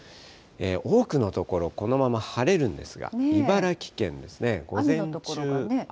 多くの所、このまま晴れるんですが、茨城県ですね、午前中。